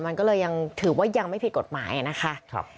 มันก็เลยยังถือว่ายังไม่ผิดกฎหมายนะคะ